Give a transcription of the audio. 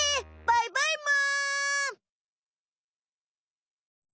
バイバイむ。